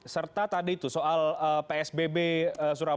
serta tadi itu soal psbb surabaya